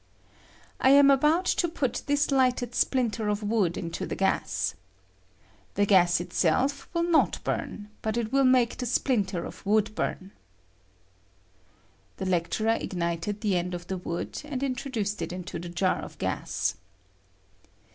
I am about to put this lighted splinter of wood into the gas. The gas itself will not bum, but it will make the splinter of wood burn. [The lecturer ignited the end of the wood and introduced it into the jar of gas.